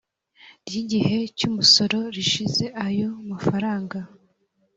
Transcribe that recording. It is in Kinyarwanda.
ry igihe cy umusoro rishize ayo mafaranga